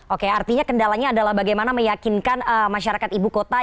oke artinya kendalanya adalah bagaimana meyakinkan masyarakat ibu kota